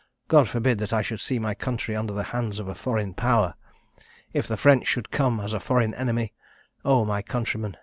God forbid that I should see my country under the hands of a foreign power. If the French should come as a foreign enemy, Oh! my countrymen!